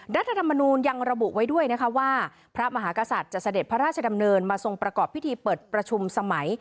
รัฐธรรมนูลยังระบุไว้ด้วยนะคะว่าพระมหากษัตริย์จะเสด็จพระราชดำเนินมาทรงประกอบพิธีเปิดประชุมสมัย